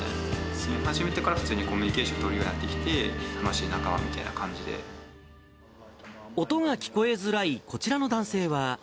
住み始めてから普通にコミュニケーション取れるようになってきて、音が聞こえづらい、こちらの男性は。